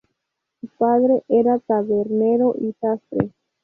Su padre era tabernero y sastre.